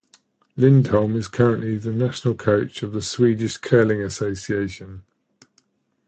Lindholm is currently the national coach of the Swedish Curling Association.